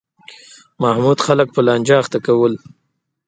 محمود خلک په لانجه اخته کول.